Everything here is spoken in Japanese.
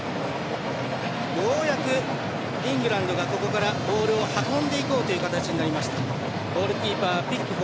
ようやくイングランドがここからボールを運んでいこうという形になりました。